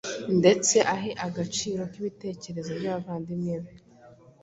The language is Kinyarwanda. ndetse ahe agaciro ibitekerezo by’abavandimwe be